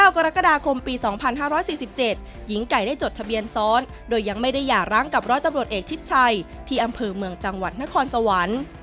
กรกฎาคมปี๒๕๔๗หญิงไก่ได้จดทะเบียนซ้อนโดยยังไม่ได้หย่าร้างกับร้อยตำรวจเอกชิดชัยที่อำเภอเมืองจังหวัดนครสวรรค์